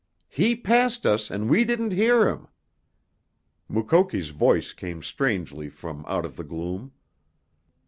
"He passed us, and we didn't hear him!" Mukoki's voice came strangely from out of the gloom.